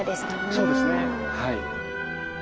そうですねはい。